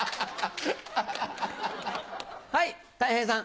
はいたい平さん。